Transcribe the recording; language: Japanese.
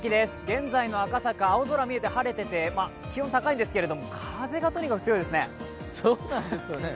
現在の赤坂、青空見えて晴れてて気温、高いんですけれども、風がとにかく強いですね。